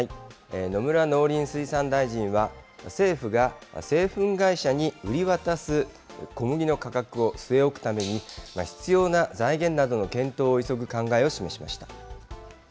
野村農林水産大臣は、政府が製粉会社に売り渡す小麦の価格を据え置くために、必要な財源などの検討を急ぐ考えを示しました。